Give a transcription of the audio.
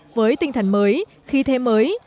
với tinh thần mới khi thế mới